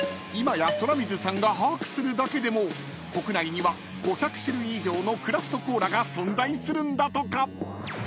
［今や空水さんが把握するだけでも国内には５００種類以上のクラフトコーラが存在するんだとか］